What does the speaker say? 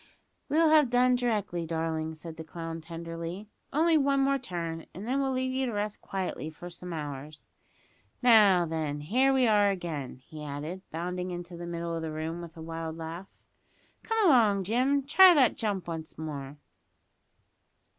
"We'll have done d'rectly, darling," said the clown tenderly; "only one more turn, and then we'll leave you to rest quietly for some hours. Now, then, here we are again!" he added, bounding into the middle of the room with a wild laugh. "Come along, Jim, try that jump once more."